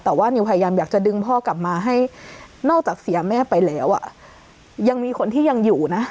แต่ว่านิวพยายามอยากจะดึงพ่อกลับมาให้นอกจากเสียแม่ไปแล้วอ่ะยังมีคนที่ยังอยู่นะ